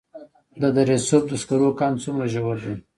د دره صوف سکرو کان څومره ژور دی؟